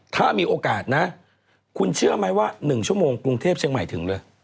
ถ้ามีโอกาสนะคุณเชื่อไหมว่า๑ชั่วโมงกรุงเทพเชียงใหม่ถึงเลย